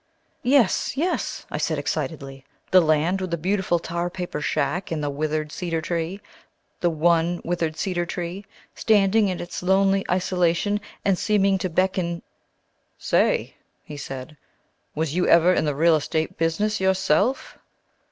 "Yes, yes," I said excitedly, "the land with the beautiful tar paper shack and the withered cedar tree, the one withered cedar tree, standing in its lonely isolation and seeming to beckon " "Say," he said, "was you ever in the real estate business yourself?"